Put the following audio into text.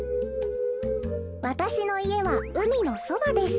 「わたしのいえはうみのそばです。